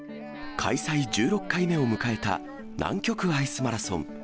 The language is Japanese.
開催１６回目を迎えた南極アイスマラソン。